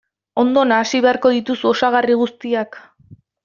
Ondo nahasi beharko dituzu osagarri guztiak.